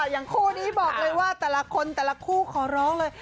อย่างคู่นี้บอกเลยว่าแต่ละคนแต่ละคู่ขอร้องเลย